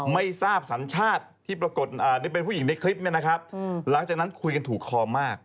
ไม่ทราบสัญชาติที่ปรากฏเป็นผู้หญิงในคลิปแล้วจากนั้นคุยกันถูกคอมาก